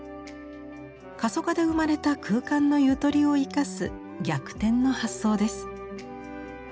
過疎化で生まれた空間のゆとりを生かす逆転の発想です。